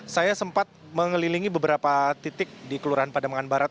saya sempat mengelilingi beberapa titik di kelurahan pademangan barat